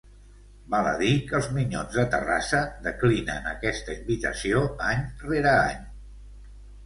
Val a dir que els Minyons de Terrassa declinen aquesta invitació any rere any.